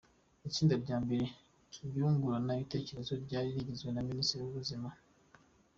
Itsinda rya mbere ryunguranaga ibitekerezo ryari rigizwe na Minisitiri w’Ubuzima Dr.